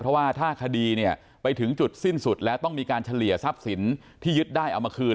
เพราะว่าถ้าคดีเนี่ยไปถึงจุดสิ้นสุดแล้วต้องมีการเฉลี่ยทรัพย์สินที่ยึดได้เอามาคืน